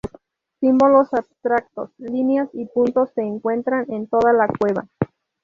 Símbolos abstractos, líneas y puntos, se encuentran en toda la cueva.